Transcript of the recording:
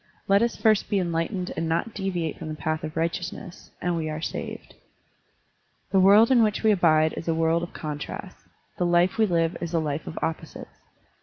Let us first be enlightened and not deviate from the path of righteousness, and we are saved. The world in which we abide is a world of contrasts; the life we live is a life of opposites.